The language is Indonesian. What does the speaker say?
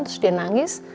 terus dia nangis